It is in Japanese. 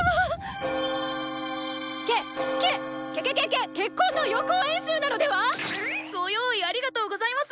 けっ結婚の予行練習なのでは⁉ご用意ありがとうございます！